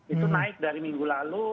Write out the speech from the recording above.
itu naik dari minggu lalu